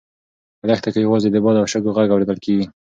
په دښته کې یوازې د باد او شګو غږ اورېدل کېږي.